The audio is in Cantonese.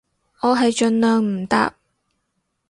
我係盡量唔搭